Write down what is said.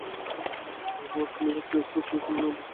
যেহেতু বস্তুর নিট শক্তি শূন্য, বস্তুর শূন্য ত্বরণ রয়েছে।